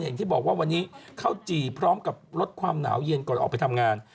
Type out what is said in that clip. อย่างที่บอกว่าวันนี้ข้าวจี่พร้อมกับลดความหนาวเย็นก่อนออกไปทำงาน